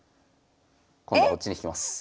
今度こっちに引きます。